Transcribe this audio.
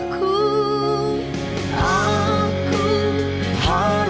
putri putri putri